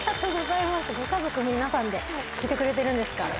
ご家族皆さんで聴いてくれてるんですか？